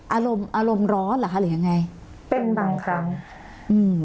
อารมณ์อารมณ์ร้อนเหรอคะหรือยังไงเป็นบางครั้งอืม